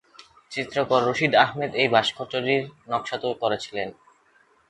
চিত্রকর রশিদ আহমেদ এই ভাস্কর্যটির নকশা করেছিলেন।